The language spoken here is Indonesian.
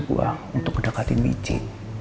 saya juga berusaha untuk mendekati michi